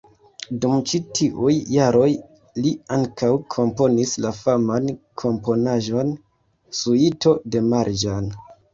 Dum ĉi tiuj jaroj li ankaŭ komponis la faman komponaĵon "Suito de Marĝan.